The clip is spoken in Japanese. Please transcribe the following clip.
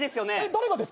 誰がですか？